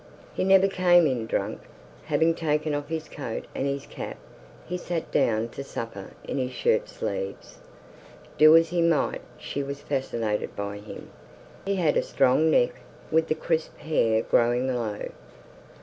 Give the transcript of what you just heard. He never came in drunk. Having taken off his coat and his cap, he sat down to supper in his shirt sleeves. Do as he might, she was fascinated by him. He had a strong neck, with the crisp hair growing low.